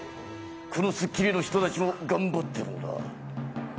この『スッキリ』の人たちも頑張ってるんだ。